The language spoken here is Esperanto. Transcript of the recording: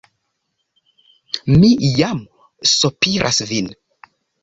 Mi jam sopiras vin.